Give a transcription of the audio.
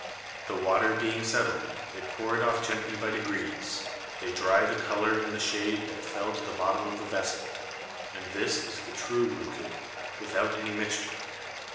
The Water being settled, they pour it off gently by degrees, they dry the Colour in the Shade that fell to the bottom of the Vessel; and this is the true Roucou, without any Mixture.